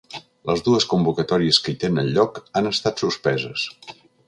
Les dues convocatòries que hi tenen lloc han estat suspeses.